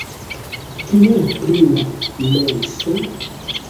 Kiel pri la menso?